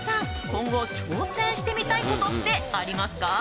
今後、挑戦してみたいことってありますか？